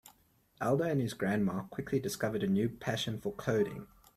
Aldo and his grandma quickly discovered a new passion for coding.